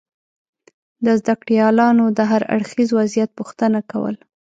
د زده کړیالانو دهر اړخیز وضعیت پوښتنه کول